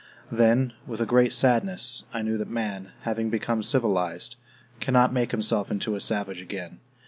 Then, with a great sadness, I knew that man, having become civilized, cannot make himself into a savage again.